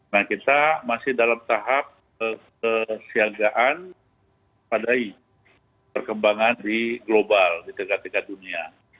nah kita masih dalam tahap kesiagaan padai perkembangan di global di tiga tiga dunia